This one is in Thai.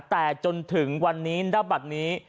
แต่จนถึงวันนี้ณบัตรนี้